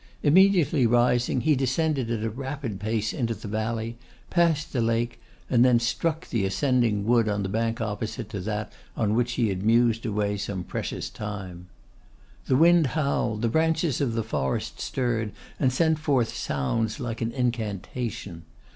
Immediately rising, he descended at a rapid pace into the valley, passed the lake, and then struck into the ascending wood on the bank opposite to that on which he had mused away some precious time. The wind howled, the branches of the forest stirred, and sent forth sounds like an incantation.